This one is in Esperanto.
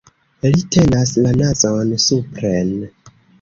Li tenas la nazon supren.